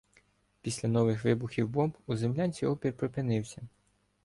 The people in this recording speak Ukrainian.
Після нових вибухів бомб у землянці опір припинився.